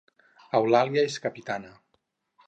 Eulàlia és capitana